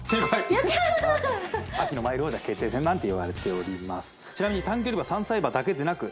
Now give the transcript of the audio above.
やった秋のマイル王者決定戦なんていわれております